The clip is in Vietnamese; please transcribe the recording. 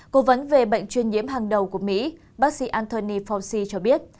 cổ vấn về bệnh chuyên nhiễm hàng đầu của mỹ bác sĩ anthony fauci cho biết